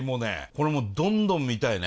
これもうどんどん見たいね。